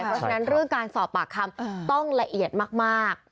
เพราะฉะนั้นเรื่องการสอบปากคำต้องละเอียดมาก